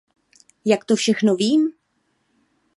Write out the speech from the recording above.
Jak to všechno vím?